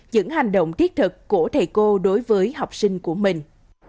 những hành động thiết thực của thầy cô đối với học sinh của mình